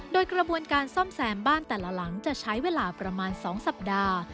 โดยกระบวนการซ่อมแซมบ้านแต่ละหลังจะใช้เวลาประมาณ๒สัปดาห์